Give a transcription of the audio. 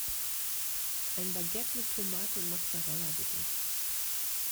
Ein Baguette mit Tomate und Mozzarella, bitte!